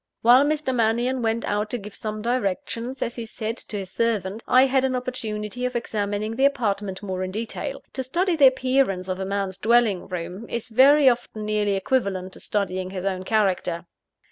While Mr. Mannion went out to give some directions, as he said, to his servant, I had an opportunity of examining the apartment more in detail. To study the appearance of a man's dwelling room, is very often nearly equivalent to studying his own character.